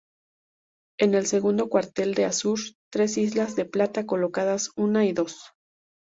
En el segundo cuartel, de azur, tres islas de plata colocadas una y dos.